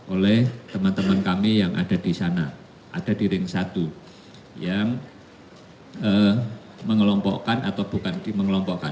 oleh teman teman kami yang ada di sana ada di ring satu yang mengelompokkan atau bukan di mengelompokkan